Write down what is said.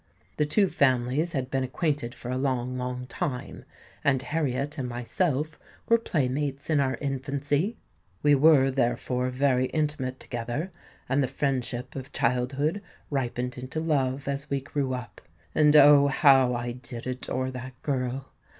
The two families had been acquainted for a long, long time; and Harriet and myself were playmates in our infancy. We were therefore very intimate together; and the friendship of childhood ripened into love as we grew up. And, oh! how I did adore that girl!